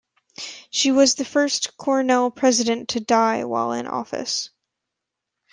She was the first Cornell president to die while in office.